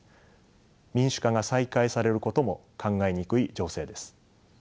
民主化が再開されることも考えにくい情勢です。